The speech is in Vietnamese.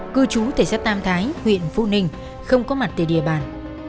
cư trú tại sát tam thái huyện phú ninh không có mặt tại địa bàn